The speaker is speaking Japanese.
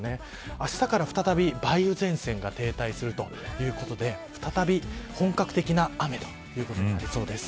あしたから再び梅雨前線が停滞するということで再び本格的な雨ということになりそうです。